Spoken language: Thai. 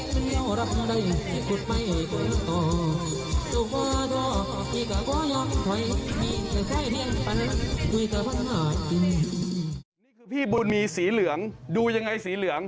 นี่คือพี่บุญมีสีเหลืองดูยังไงสีเหลือง